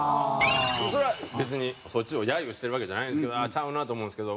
それは別にそっちを揶揄してるわけじゃないんですけどああちゃうなと思うんですけど。